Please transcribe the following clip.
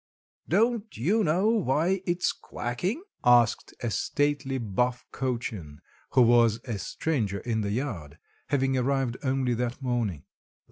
"Don't you know why it's quacking?" asked a stately Buff Cochin who was a stranger in the yard; having arrived only that morning.